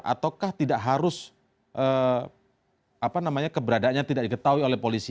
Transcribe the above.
ataukah tidak harus keberadaannya tidak diketahui oleh polisi